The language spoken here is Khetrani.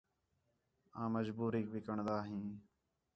آں مجبوریک وکݨدا ہیں